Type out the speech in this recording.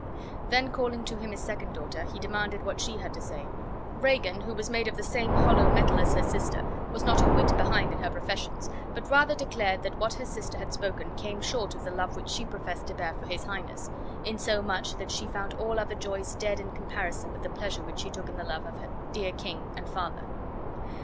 Then calling to him his second daughter he demanded what she had to say. Regan, who was made of the same hollow metal as her sister, was not a whit behind in her professions, but rather declared that what her sister had spoken came short of the love which she professed to bear for his Highness; in so much that she found all other joys dead in comparison with the pleasure which she took in the love of her dear king and father.